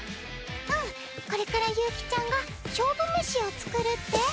うんこれから悠希ちゃんが勝負飯を作るって。